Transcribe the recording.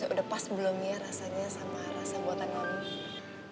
udah pas belum ya rasanya sama rasa buatan warung